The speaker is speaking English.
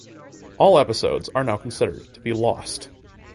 All episodes are now considered to be lost.